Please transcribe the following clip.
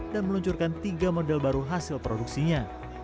dan meluncurkan tiga model baru hasil produksinya